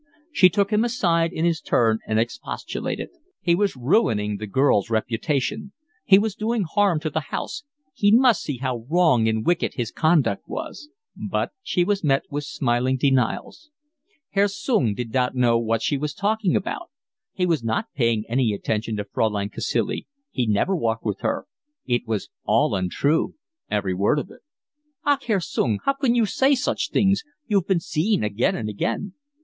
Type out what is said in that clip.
She took him aside in his turn and expostulated; he was ruining the girl's reputation, he was doing harm to the house, he must see how wrong and wicked his conduct was; but she was met with smiling denials; Herr Sung did not know what she was talking about, he was not paying any attention to Fraulein Cacilie, he never walked with her; it was all untrue, every word of it. "Ach, Herr Sung, how can you say such things? You've been seen again and again."